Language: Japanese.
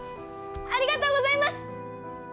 ありがとうございます！